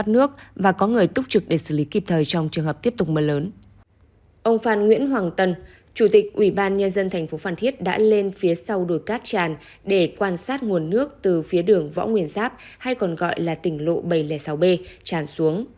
trong trường hợp tiếp tục mưa lớn ông phan nguyễn hoàng tân chủ tịch ubnd tp phan thiết đã lên phía sau đồi cát tràn để quan sát nguồn nước từ phía đường võ nguyên giáp hay còn gọi là tỉnh lộ bảy trăm linh sáu b tràn xuống